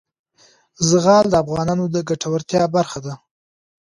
زغال د افغانانو د ګټورتیا برخه ده.